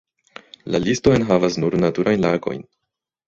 La listo enhavas nur naturajn lagojn.